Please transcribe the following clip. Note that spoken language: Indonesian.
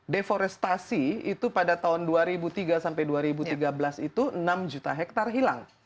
deforestasi itu pada tahun dua ribu tiga sampai dua ribu tiga belas itu enam juta hektare hilang